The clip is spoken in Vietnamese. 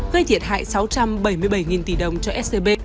gây thiệt hại sáu trăm bảy mươi bảy tỷ đồng cho scb